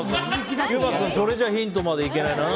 優馬君それじゃヒントまでいけないな。